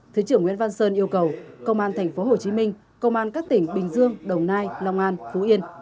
thứ trưởng nguyễn văn sơn yêu cầu công an thành phố hồ chí minh công an các tỉnh bình dương đồng nai long an phú yên